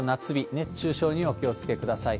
熱中症にお気をつけください。